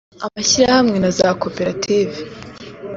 amashyirahamwe na za koperative